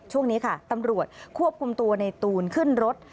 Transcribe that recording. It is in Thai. ช่วงนี้ค่ะตำรวจควบคุมตัวในตูนขึ้นรถ